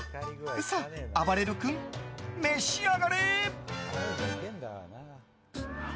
さあ、あばれる君召し上がれ！